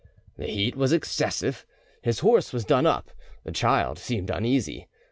The heat was excessive, his horse was done up, the child seemed uneasy.